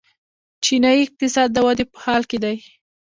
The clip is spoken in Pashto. چینايي اقتصاد د ودې په حال کې دی.